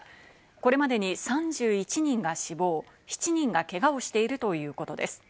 これまでに３１人が死亡、７人がけがをしているということです。